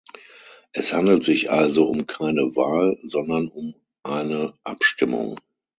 Es handelt sich also um keine Wahl, sondern um eine Abstimmung.